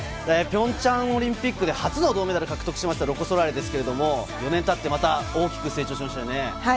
ピョンチャンオリンピックで初の銅メダルを獲得したロコ・ソラーレですけれども、４年たって大きく成長しましたね。